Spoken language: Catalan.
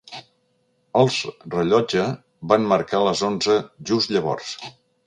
Els rellotge va marcar les onze just llavors.